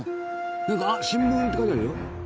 「新聞」って書いてあるよ。